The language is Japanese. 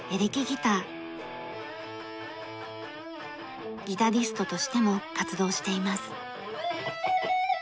ギタリストとしても活動しています。